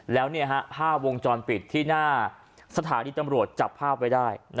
แล้วภาพวงจรปิดที่หน้าสถานีตำรวจจับภาพไว้ได้